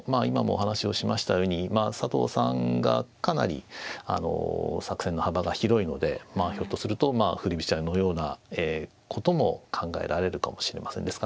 今もお話をしましたように佐藤さんがかなり作戦の幅が広いのでひょっとすると振り飛車のようなことも考えられるかもしれません。